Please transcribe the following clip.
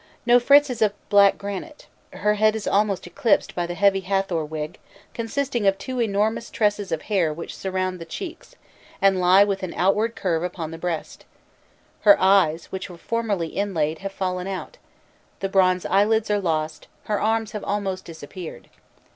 Nofrît's is of black granite: her head is almost eclipsed by the heavy Hâthor wig, consisting of two enormous tresses of hair which surround the cheeks, and lie with an outward curve upon the breast; her eyes, which were formerly inlaid, have fallen out, the bronze eyelids are lost, her arms have almost disappeared.